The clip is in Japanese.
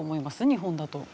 日本だと。